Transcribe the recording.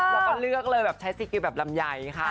เราก็เลือกเลยแบบใช้สิคกรีมแบบลำไยค่ะ